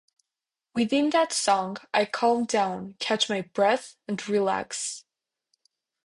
Within that song, I calm down, catch my breath and relax.